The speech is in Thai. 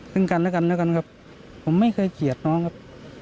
ซึ่งกันและกันแล้วกันครับผมไม่เคยเกลียดน้องครับ